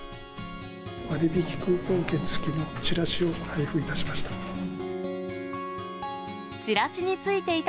割引クーポン券付きのチラシを配布いたしました。